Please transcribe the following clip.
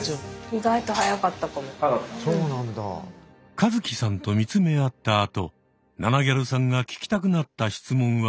一樹さんと見つめ合ったあとナナぎゃるさんが聞きたくなった質問は。